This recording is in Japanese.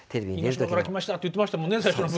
「因島から来ました」って言ってましたもんね。